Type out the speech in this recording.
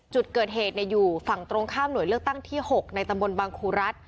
จุดเกิดเหตุอยู่ฝั่งตรงข้ามหน่วยเลือกตั้งที่๖ในตำบลบางครูรัฐ